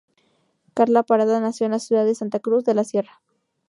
Carla Parada nació en la ciudad de Santa Cruz de la Sierra.